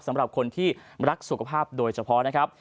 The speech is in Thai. สำหรับคนที่รักสุขภาพโดยเฉพาะนะครับ